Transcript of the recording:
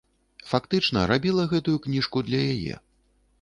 Фактычна, рабіла гэтую кніжку для яе.